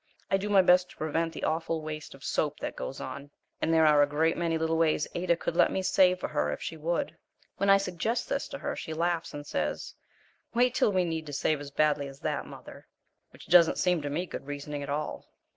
I do my best to prevent the awful waste of soap that goes on, and there are a great many little ways Ada could let me save for her if she would. When I suggest this to her she laughs and says, "Wait till we need to save as badly as that, mother," which doesn't seem to me good reasoning at all.